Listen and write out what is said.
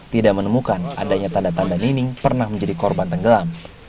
tidak menemukan adanya tanda tanda nining pernah menjadi korban tenggelam